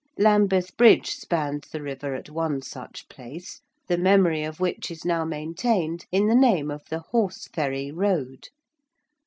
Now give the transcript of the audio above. Lambeth Bridge spans the river at one such place, the memory of which is now maintained in the name of the Horseferry Road.